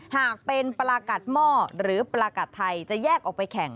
หากเป็นปลากัดหม้อหรือปลากัดไทยจะแยกออกไปแข่ง